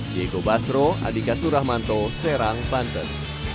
diego basro andika suramanto serang banten